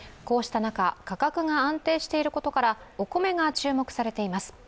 こうした中、価格が安定していることからお米が注目されています。